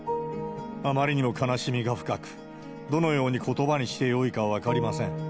あまりにも悲しみが深く、どのようにことばにしてよいか分かりません。